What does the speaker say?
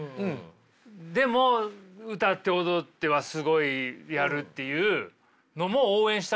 でも歌って踊ってはすごいやるっていうのもどうですか？